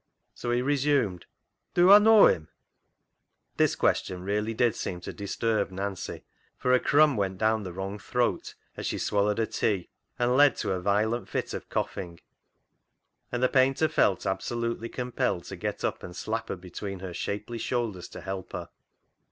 So he re sumed —" Do Aw knaw him ?" This question really did seem to disturb Nancy, for a crumb went down the wrong throat as she swallowed her tea and led to a violent fit of coughing, and the painter felt absolutely compelled to get up and slap her between her shapely shoulders to help her.